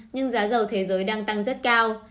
nhưng giá dầu thế giới đang tăng rất cao